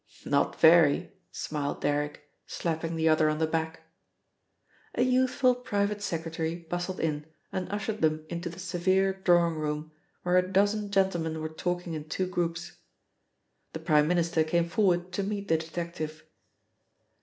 "Not very," smiled Derrick, slapping the other on the back. A youthful private secretary bustled in and ushered them into the severe drawing room, where a dozen gentlemen were talking in two groups. The Prime Minister came forward to meet the detective.